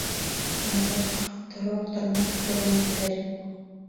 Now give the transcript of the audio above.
Насар ҡыҙ торор-тормаҫ телем телер.